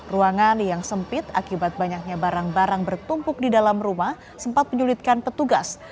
ruangan yang sempit akibat banyaknya barang barang bertumpuk di dalam rumah sempat menyulitkan petugas